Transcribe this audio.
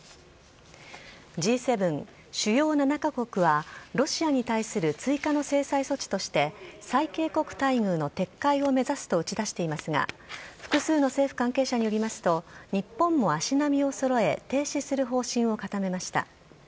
Ｇ７・主要７か国は、ロシアに対する追加の制裁措置として、最恵国待遇の撤回を目指すと打ち出していますが、複数の政府関係者によりますと、日本も足並みをそろえ、停止する方針を固めました。